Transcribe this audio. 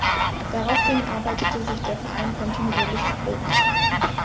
Daraufhin arbeitete sich der Verein kontinuierlich nach oben.